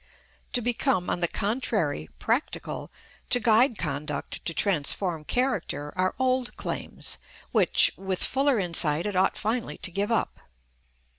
To become, on the contrary, practical, to guide conduct, to transform character, are old claims, which with fuller insight it ought finally to give up.